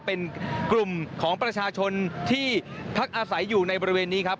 เป็นกลุ่มของประชาชนที่พักอาศัยอยู่ในบริเวณนี้ครับ